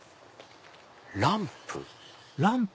ランプ？